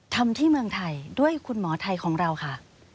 ทำที่เมืองไทยด้วยคุณหมอไทยของเราค่ะ